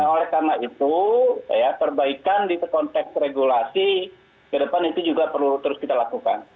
oleh karena itu perbaikan di konteks regulasi ke depan itu juga perlu terus kita lakukan